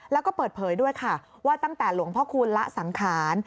แล้วก็เปิดเผยด้วยค่ะว่าตั้งแต่หลวงพ่อคูณละสังขาร